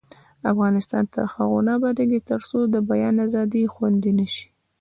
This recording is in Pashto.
افغانستان تر هغو نه ابادیږي، ترڅو د بیان ازادي خوندي نشي.